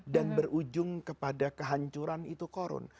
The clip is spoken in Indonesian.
dan berujung kepada kehancuran itu korun